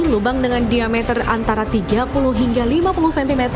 lubang dengan diameter antara tiga puluh hingga lima puluh cm